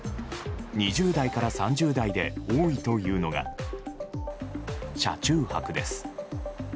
２０代から３０代で多いというのが車中泊です。